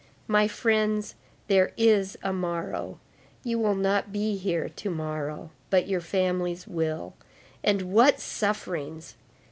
My friends, there is a morrow; you will not be here to morrow, but your families will; and what sufferings!